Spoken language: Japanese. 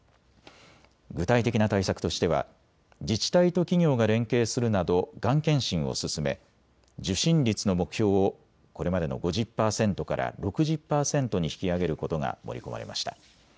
具体的な対策としては自治体と企業が連携するなどがん検診を進め受診率の目標をこれまでの５０％から６０％に引き上げることが盛り込まれました。